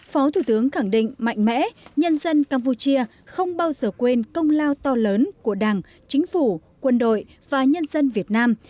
phó thủ tướng khẳng định mạnh mẽ nhân dân campuchia không bao giờ quên công lao to lớn của đảng chính phủ quân đội và nhân dân việt nam